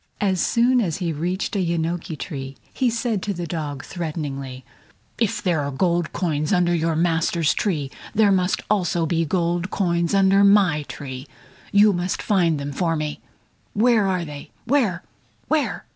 As soon as he reached a yenoki tree, he said to the dog, threateningly: "If there were gold coins under your master's tree, there must also be gold coins under my tree. You must find them for me! Where are they? Where? Where?"